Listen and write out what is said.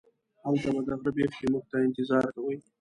هلته به د غره بیخ کې موږ ته انتظار کوئ.